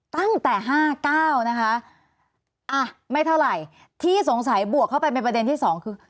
ตั้งแต่ห้าเก้านะคะอ่ะไม่เท่าไหร่ที่สงสัยบวกเข้าไปเป็นประเด็นที่สองคือ